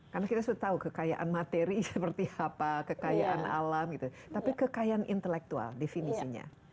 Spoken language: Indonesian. karena kita sudah tahu kekayaan materi seperti apa kekayaan alam tapi kekayaan intelektual definisinya